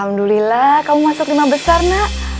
alhamdulillah kamu masuk lima besar nak